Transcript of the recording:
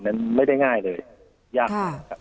นั้นไม่ได้ง่ายเลยยาก